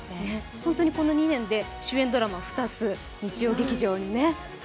本当にこの２年で主演ドラマ２つ、日曜劇場ね。